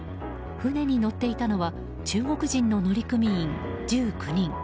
船に乗っていたのは中国人の乗組員１９人。